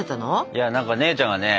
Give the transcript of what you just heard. いや何か姉ちゃんがね